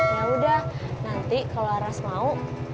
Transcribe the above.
yaudah nanti kalo aras mau